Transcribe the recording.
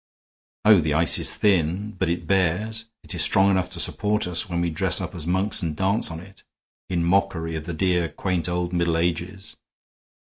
Oh, the ice is thin, but it bears; it is strong enough to support us when we dress up as monks and dance on it, in mockery of the dear, quaint old Middle Ages.